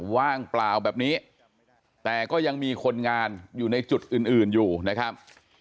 ว่างเปล่าแบบนี้แต่ก็ยังมีคนงานอยู่ในจุดอื่นอื่นอยู่นะครับ